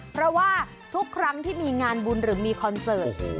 เพราะว่าทุกครั้งที่มีงานบุญหรือมีคอนเสิร์ต